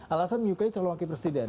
alasan menyukai calon wakil presiden